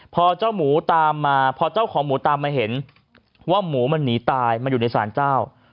พอเจ้าของหมูตามมาเห็นว่าหมูมันหนีตายมันอยู่ในสารเจ้า